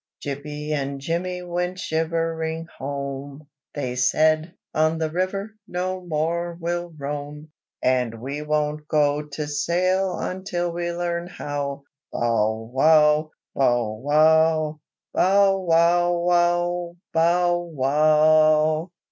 3. Jippy and Jimmy went shivering home, They said, "on the river no more we'll roam! And we won't go to sail until we learn how," Bow wow! bow wow! bow wow wow! bow wow!